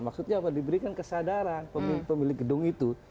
maksudnya apa diberikan kesadaran pemilik gedung itu